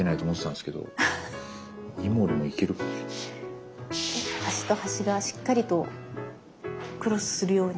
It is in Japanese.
で端と端がしっかりとクロスするように。